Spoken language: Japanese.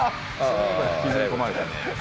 引きずり込まれたね。